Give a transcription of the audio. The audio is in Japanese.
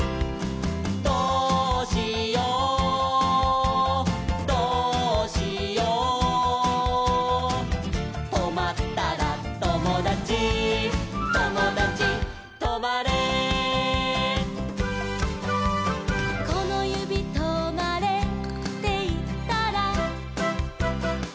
「どうしようどうしよう」「とまったらともだちともだちとまれ」「このゆびとまれっていったら」